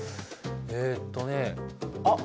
えとねあっ